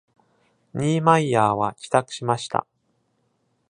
ニーマイヤーは帰宅しました。